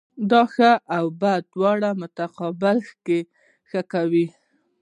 د ښو او بدو دواړو په مقابل کښي ښه کوئ!